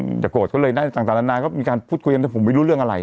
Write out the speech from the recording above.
อ่าอย่าโกรธก็เลยได้ต่างนานก็มีการพูดคุยกันแต่ผมไม่รู้เรื่องอะไร